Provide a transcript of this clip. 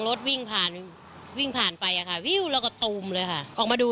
รถวิ่งผ่านวิ่งผ่านไปอะค่ะวิวแล้วก็ตูมเลยค่ะออกมาดู